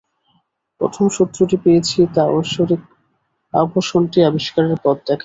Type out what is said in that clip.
প্রথম সূত্রটি পেয়েছি তা ঐশ্বরিক আভূষণটি আবিষ্কারের পথ দেখায়।